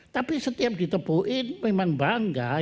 tapi setiap ditebuin memang bangga